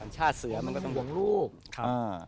ชาติเสือมันก็ต้องห่วงลูกครับ